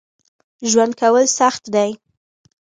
ژوند کول سخت دي